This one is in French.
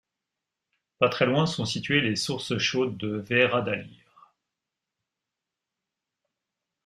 Pas très loin sont situées les sources chaudes de Hveradalir.